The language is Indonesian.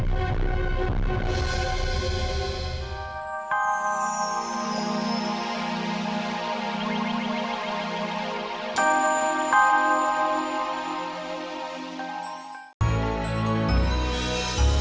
kamu itu betul betul keterlaluan mila